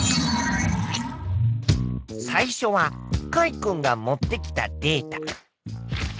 最初はカイ君が持ってきたデータ。